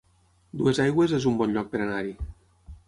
Duesaigües es un bon lloc per anar-hi